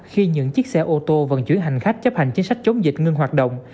khi những chiếc xe ô tô vận chuyển hành khách chấp hành chính sách chống dịch ngưng hoạt động